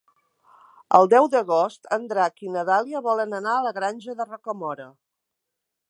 El deu d'agost en Drac i na Dàlia volen anar a la Granja de Rocamora.